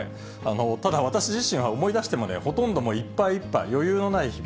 ただ、私自身は思い出してもね、ほとんどいっぱいいっぱい、余裕のない日々。